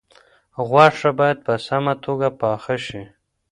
غوښه باید په سمه توګه پاخه شي.